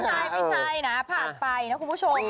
ใช่ไม่ใช่นะผ่านไปนะคุณผู้ชม